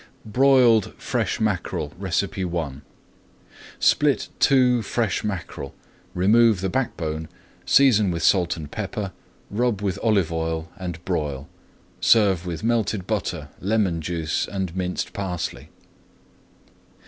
BROILED FRESH MACKEREL I Split two fresh mackerel, remove the backbone, season with salt and pepper, rub with olive oil, and broil. Serve with melted butter, lemon juice, and minced parsley.